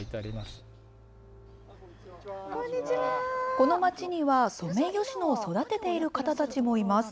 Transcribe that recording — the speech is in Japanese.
この町にはソメイヨシノを育てている方たちもいます。